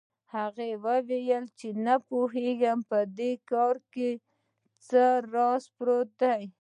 هغه وویل چې نه پوهېږي په دې کار کې څه راز پروت دی.